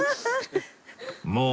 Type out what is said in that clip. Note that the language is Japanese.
もう！